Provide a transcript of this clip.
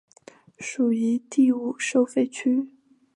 属于第五收费区。